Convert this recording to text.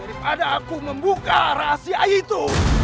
daripada aku membuka rahasia itu